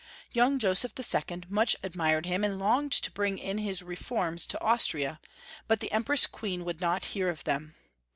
Young Joseph II. much admired him, and longed to bring in his reforms to Austria, but the Em press Queen would not hear of them.